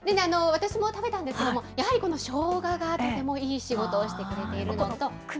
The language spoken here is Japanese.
私も食べたんですけれども、やはり、このしょうががとてもいい仕事をしてくれているのと。